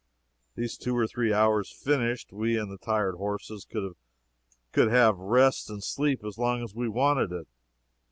These two or three hours finished, we and the tired horses could have rest and sleep as long as we wanted it.